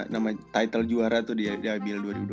nama title juara tuh di ibl dua ribu dua puluh